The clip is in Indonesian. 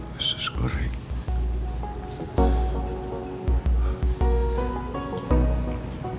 masuk ke dalam